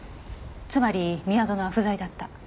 つまり宮園は不在だった。